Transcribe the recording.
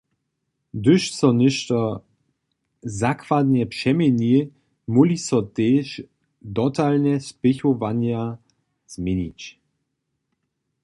Hdyž so něšto zakładnje přeměni, móhli so tež dotalne spěchowanja změnić.